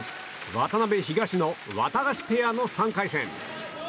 渡辺、東野ワタガシペアの３回戦。